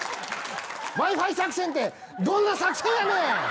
Ｗｉ−Ｆｉ作戦ってどんな作戦やねん。